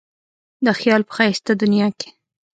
د خیال په ښایسته دنیا کې.